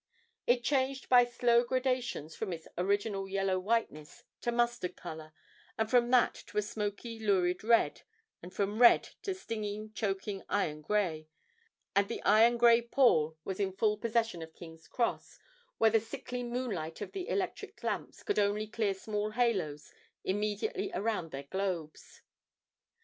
It changed by slow gradations from its original yellow whiteness to mustard colour, from that to a smoky lurid red, and from red to stinging, choking iron grey, and the iron grey pall was in full possession of King's Cross, where the sickly moonlight of the electric lamps could only clear small halos immediately around their globes.